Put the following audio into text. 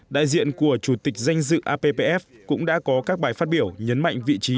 đại diện của chủ tịch danh dự appf cũng đã có các bài phát biểu nhấn mạnh vị trí